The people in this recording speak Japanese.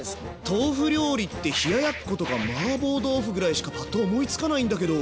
豆腐料理って冷ややっことかマーボー豆腐ぐらいしかパッと思いつかないんだけど。